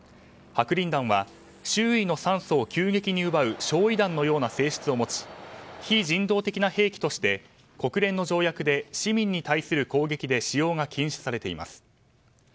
白リン弾は周囲の酸素を急激に奪う焼夷弾のような性質を持ち非人道的な兵器として国連の条約で市民に対する攻撃で使用が禁止されています。